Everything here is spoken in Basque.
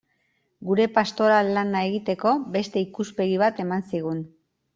Gure pastoral lana egiteko beste ikuspegi bat eman zigun.